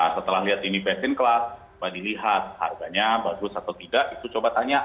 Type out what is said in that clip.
setelah lihat ini passing class coba dilihat harganya bagus atau tidak itu coba tanya